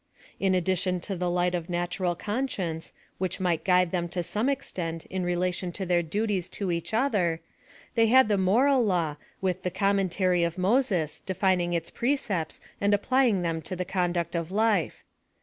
In addition to the light of natural conscience, which might guide them to some extent in relation to their duties to each other, they had the Moral Law, with the commentary of Mo ses, defining its prcicepts and applying them to the conduct of life.